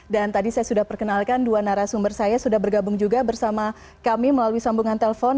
dan tadi saya sudah perkenalkan dua narasumber saya sudah bergabung juga bersama kami melalui sambungan telpon